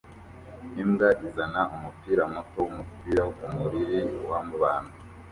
Imbwa izana umupira muto wumupira kumuriri wabantu